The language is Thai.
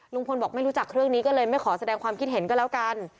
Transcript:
ลุงพลบอกไม่รู้จักเรื่องนี้ก็เลยไม่ขอแสดงความคิดเห็นก็แล้วกัน